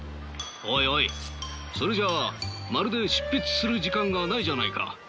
おいおいそれじゃあまるで執筆する時間がないじゃないか。